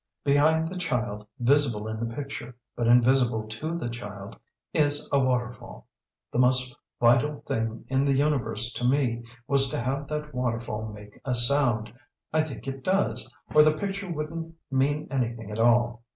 Behind the child, visible in the picture, but invisible to the child, is a waterfall. The most vital thing in the universe to me was to have that waterfall make a sound. I think it does, or the picture wouldn't mean anything at all.